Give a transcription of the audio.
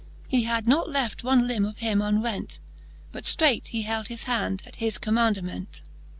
He had not left one limbe of him unrent : But ftreight he held his hand at his commaundement.